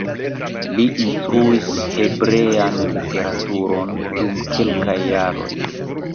Li instruis hebrean literaturon dum kelkaj jaroj.